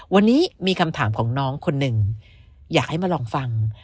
วันนี้มีคำถามของน้องคนหนึ่งอยากให้มาลองฟัง